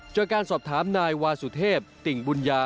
จากการสอบถามนายวาสุเทพติ่งบุญญา